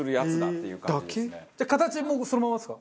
じゃあ形もそのままですか？